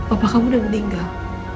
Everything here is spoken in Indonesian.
apa kamu udah nginggal